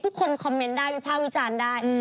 ทุกคนคอมเมนต์ได้พ้าพิจารได้